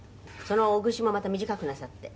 「そのおぐしもまた短くなさって」